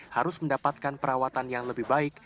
harus mendapatkan perawatan yang lebih baik